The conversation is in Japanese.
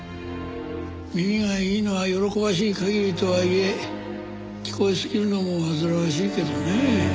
耳がいいのは喜ばしい限りとはいえ聞こえすぎるのもわずらわしいけどねえ。